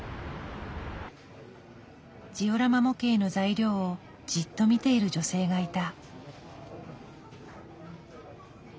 ジオラマ模型の材料をじっと見ている女性がいた。